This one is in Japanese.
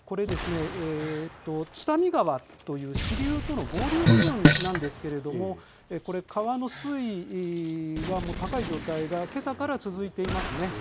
津民川という支流の合流部分ですがこれは川の水位が高い状態がけさから続いています。